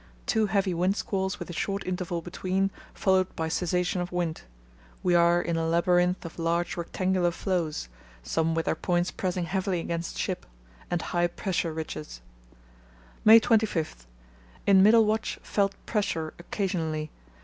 Two heavy windsqualls with a short interval between followed by cessation of wind. We are in a labyrinth of large rectangular floes (some with their points pressing heavily against ship) and high pressure ridges. "May 25.—In middle watch felt pressure occasionally.